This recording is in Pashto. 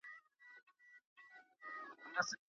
د پرمختګ لاري یوازي د بختورو کسانو لپاره نه پرانیستل کېږي.